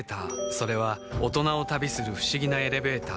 それは大人を旅する不思議なエレベーター